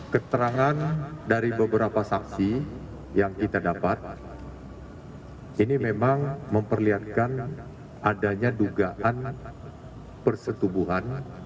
keterangan dari beberapa saksi yang kita dapat ini memang memperlihatkan adanya dugaan persetubuhan